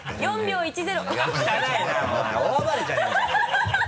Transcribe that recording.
４秒１０